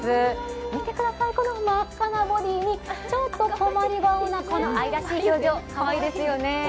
見てください、この真っ赤なボディーにちょっと困り顔、かわいいですよね。